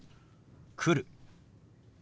「来る」。